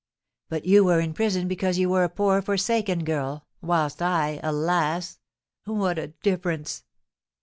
"But you were in prison because you were a poor forsaken girl; whilst I alas, what a difference!"